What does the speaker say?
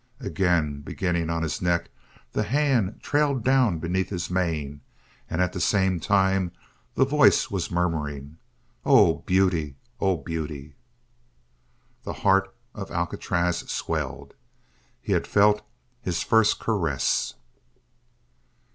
Again beginning on his neck the hand trailed down beneath his mane and at the same time the voice was murmuring: "Oh beauty! Oh beauty!" The heart of Alcatraz swelled. He had felt his first caress.